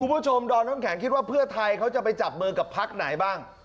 ดอมน้ำแข็งคิดว่าเพื่อไทยเขาจะไปจับมือกับพักไหนบ้าง